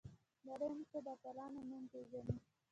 نړۍ موږ د اتلانو په نوم پیژني.